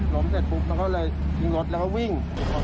ล้มเสร็จปุ๊บมันก็เลยยิงรถแล้วก็วิ่ง